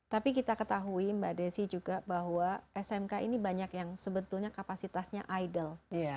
tapi kita ketahui mbak desi juga bahwa smk ini banyak yang sebetulnya kapasitasnya idol